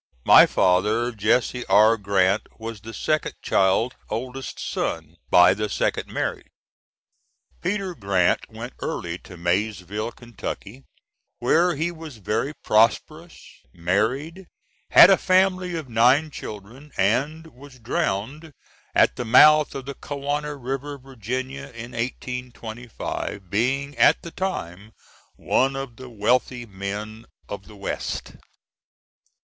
My father, Jesse R. Grant, was the second child oldest son, by the second marriage. Peter Grant went early to Maysville, Kentucky, where he was very prosperous, married, had a family of nine children, and was drowned at the mouth of the Kanawha River, Virginia, in 1825, being at the time one of the wealthy men of the West.